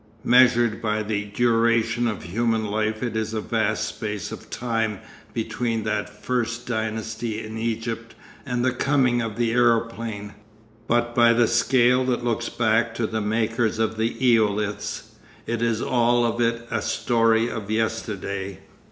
Measured by the duration of human life it is a vast space of time between that first dynasty in Egypt and the coming of the aeroplane, but by the scale that looks back to the makers of the eoliths, it is all of it a story of yesterday.